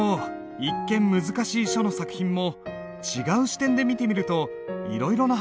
一見難しい書の作品も違う視点で見てみるといろいろな発見があるんだなあ。